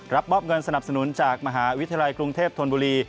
รับมอบเงินสนับสนุนจากมหาวิทยาลัยกรุงเทพธนบุรี